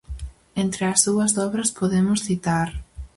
Entre as súas obras podemos citar.